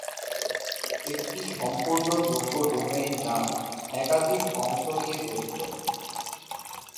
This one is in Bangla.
একটি সম্পূর্ণ যোগ্য ডোমেইন নাম একাধিক অংশ নিয়ে গঠিত।